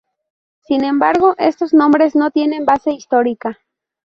Sin embargo estos nombres no tienen base histórica.